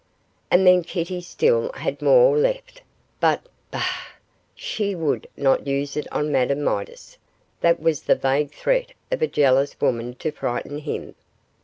And then Kitty still had more left, but bah! she would not use it on Madame Midas. That was the vague threat of a jealous woman to frighten him.